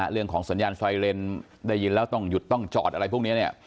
เรื่องของสัญญาณไฟเลนได้ยินแล้วต้องหยุดต้องจอดอะไรพวกนี้เนี่ย